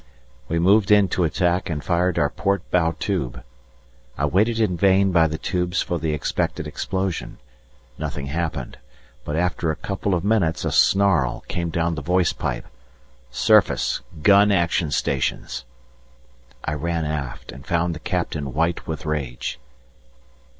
We moved in to attack and fired our port bow tube. I waited in vain by the tubes for the expected explosion nothing happened, but after a couple of minutes a snarl came down the voice pipe: "Surface, GUN ACTION STATIONS!" I ran aft, and found the Captain white with rage.